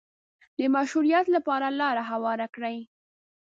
د مشروعیت لپاره لاره هواره کړي